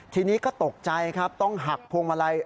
ทีนี้ก็ตกใจครับต้องหักพวงมาลัย